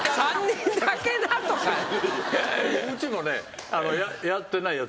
うちもねやってないやつおった。